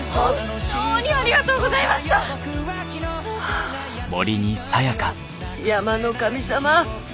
あ山の神様！